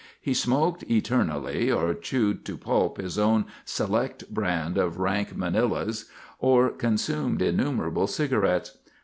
He smoked eternally or chewed to pulp his own select brand of rank Manilas, or consumed innumerable cigarettes.